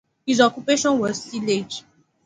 His occupation was tillage.